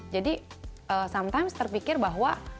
jadi sometimes terpikir bahwa